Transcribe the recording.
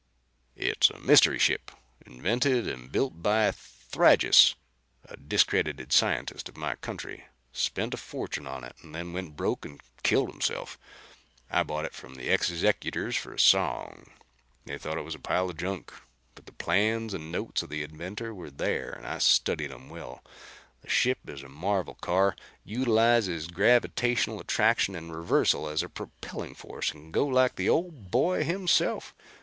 "It's a mystery ship. Invented and built by Thrygis, a discredited scientist of my country. Spent a fortune on it and then went broke and killed himself. I bought it from the executors for a song. They thought it was a pile of junk. But the plans and notes of the inventor were there and I studied 'em well. The ship is a marvel, Carr. Utilizes gravitational attraction and reversal as a propelling force and can go like the Old Boy himself.